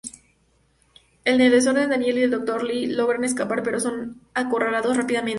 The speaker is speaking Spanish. En el desorden, Daniel y el Dr. Lee logran escapar, pero son acorralados rápidamente.